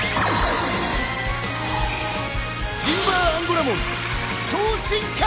ジンバーアンゴラモン超進化！